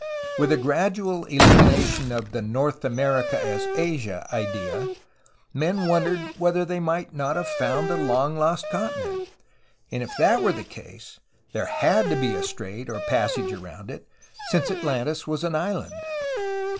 With the gradual elimination of the North America as Asia idea, men wondered whether they might not have found the long lost continent, and if that were the case, there had to be a strait or a passage around it, since Atlantis was an island.